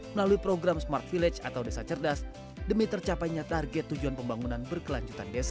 melalui program smart village atau desa cerdas demi tercapainya target tujuan pembangunan berkelanjutan desa